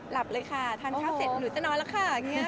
หลับเลยค่ะทานข้าวเสร็จหนูจะนอนแล้วค่ะ